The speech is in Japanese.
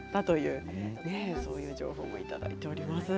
こういう情報もいただいています。